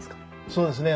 そうですね。